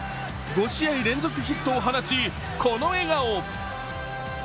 ５試合連続ヒットを放ちこの笑顔。